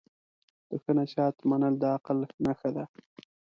د ښه نصیحت منل د عقل نښه ده.